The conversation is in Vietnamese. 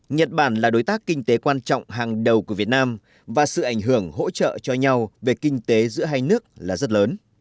nhật bản là đối tác kinh tế quan trọng hàng đầu của việt nam và sự ảnh hưởng hỗ trợ cho nhau về kinh tế giữa hai nước là rất lớn